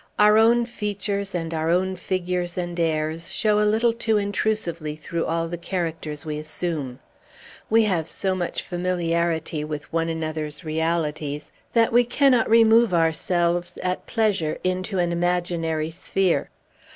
"Our own features, and our own figures and airs, show a little too intrusively through all the characters we assume. We have so much familiarity with one another's realities, that we cannot remove ourselves, at pleasure, into an imaginary sphere.